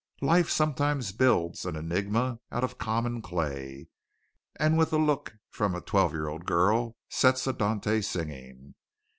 Life sometimes builds an enigma out of common clay, and with a look from a twelve year old girl, sets a Dante singing.